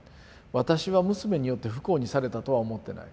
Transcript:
私は娘によって不幸にされたとは思ってない。